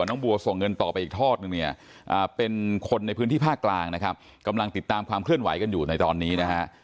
น้องบัวส่งเงินต่อไปอีกทอดนึงเนี่ยเป็นคนในพื้นที่ภาคกลางนะครับกำลังติดตามความเคลื่อนไหวกันอยู่ในตอนนี้นะฮะ